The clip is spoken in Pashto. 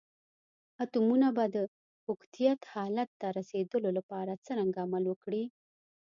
اتومونه به د اوکتیت حالت ته رسیدول لپاره څرنګه عمل وکړي؟